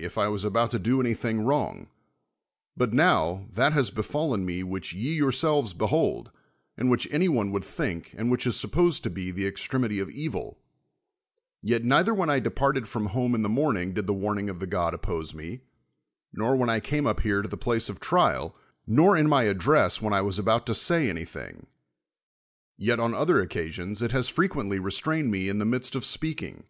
if I was about to do anything wrong; but now, that has befallen me which ye youi'selves behokl, and which any one would think and which is sup ]X)sed to be the extremity of evil, yet neither \\hen I departed from home in the morning did the warning of the god oppose me, nor when I came up hei'c to the place of trial, nor in my address when I was about to say anything; yet on other occasions it has frecpiently restrained me in the midst of speaking.